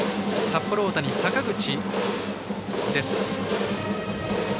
札幌大谷は坂口です。